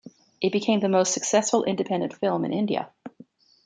It became the most successful independent film in India.